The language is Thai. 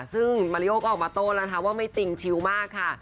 ซึ่งมาริโอก็ออกมาโต้แล้วนะคะว่าไม่จริงชิลมากค่ะ